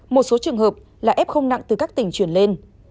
một số trường hợp là f nặng từ các tỉnh chuyển lên